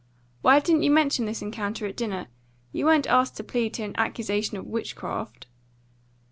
Why didn't you mention this encounter at dinner? You weren't asked to plead to an accusation of witchcraft."